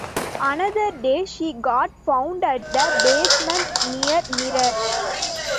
Another day she got found at the basement near mirror.